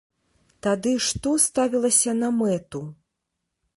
Тады што ставілася на мэту?